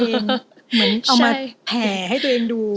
เหมือนเอามาแผ่ให้ตัวเองดู